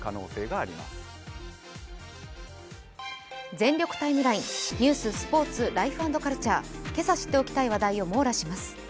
「全力ＴＩＭＥライン」ニュース、スポーツ、ライフ＆カルチャー、今朝知っておきたい話題を網羅します。